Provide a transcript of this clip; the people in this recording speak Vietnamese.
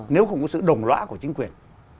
nếu không có sự đồng lõa của chính quyền